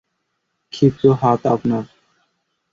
ক্ষিপ্র হাত আপনার।